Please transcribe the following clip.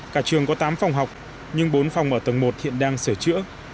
cả trường có tám phòng học nhưng bốn phòng ở tầng một hiện đang sửa chữa